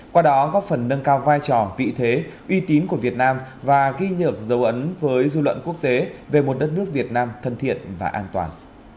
qua đó góp phần nâng cao vai trò vị thế uy tín của việt nam và ghi nhận dấu ấn với dư luận quốc tế về một đất nước việt nam thân thiện và an toàn